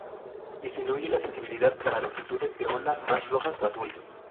Disminuye la sensibilidad para longitudes de onda más rojas o azules.